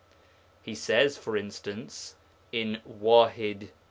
He says, for instance, in Waḥid II.